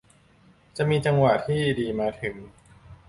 จะมีจังหวะที่ดีมาถึง